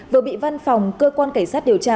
vừa bị văn phòng cơ quan cảnh sát điều tra